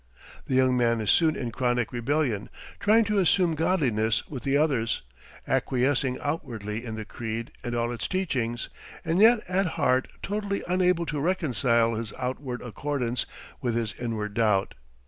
The young man is soon in chronic rebellion, trying to assume godliness with the others, acquiescing outwardly in the creed and all its teachings, and yet at heart totally unable to reconcile his outward accordance with his inward doubt.